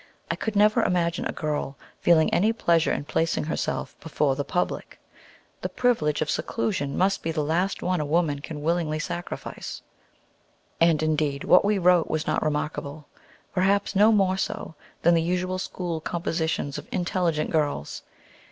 I could never imagine a girl feeling any pleasure in placing herself "before the public." The privilege of seclusion must be the last one a woman can willingly sacrifice. And, indeed, what we wrote was not remarkable, perhaps no more so than the usual school compositions of intelligent girls.